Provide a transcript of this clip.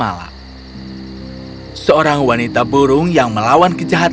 ia merupakan satu orang wanita burung yang menelayan desa liilatat